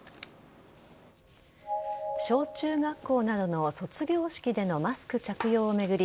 小中学校などの卒業式でのマスク着用を巡り